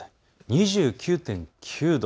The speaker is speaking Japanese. ２９．９度。